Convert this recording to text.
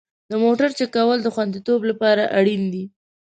د موټرو چک کول د خوندیتوب لپاره اړین دي.